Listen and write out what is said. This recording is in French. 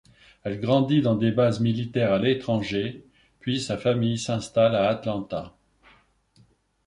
Elle grandit dans des bases militaire à l'étranger puis sa famille s'installe à Atlanta.